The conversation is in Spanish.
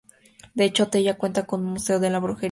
De hecho, Tella cuenta con un museo de la brujería.